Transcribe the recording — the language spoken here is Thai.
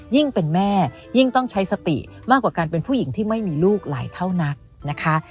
ยิ่งเป็นแม่ยิ่งต้องใช้สติมากกว่าการเป็นผู้หญิงที่ไม่มีลูกหลายเท่านักนะคะ